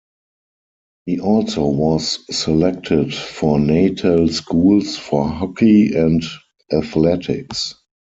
He also was selected for Natal schools for Hockey and athletics.